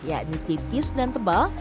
yakni tipis dan tebal